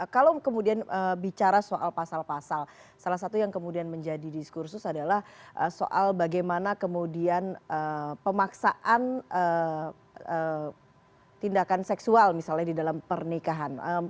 kalau kemudian bicara soal pasal pasal salah satu yang kemudian menjadi diskursus adalah soal bagaimana kemudian pemaksaan tindakan seksual misalnya di dalam pernikahan